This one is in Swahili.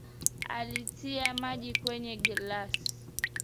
Alitia maji kwenye glasi.